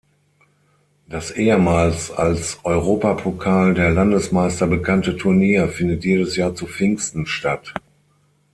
Das ehemals als Europapokal der Landesmeister bekannte Turnier findet jedes Jahr zu Pfingsten statt.